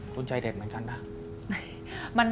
คุณใจเด็ดเหมือนกันนะ